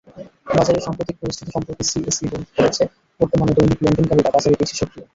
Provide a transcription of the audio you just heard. বাজারের সাম্প্রতিক পরিস্থিতি সম্পর্কে সিএসই বলেছে, বর্তমানে দৈনিক লেনদেনকারীরা বাজারে বেশি সক্রিয়।